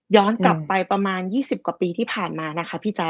กลับไปประมาณ๒๐กว่าปีที่ผ่านมานะคะพี่แจ๊